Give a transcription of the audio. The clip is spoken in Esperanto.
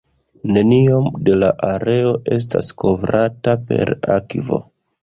Neniom da la areo estas kovrata per akvo.